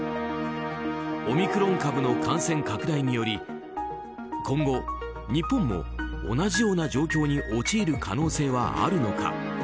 オミクロン株の感染拡大により今後、日本も同じような状況に陥る可能性はあるのか。